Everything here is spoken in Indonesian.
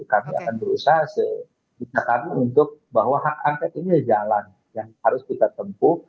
kami akan berusaha untuk bahwa hak angkat ini adalah jalan yang harus kita tempuh